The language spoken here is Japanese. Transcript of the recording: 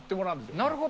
なるほど。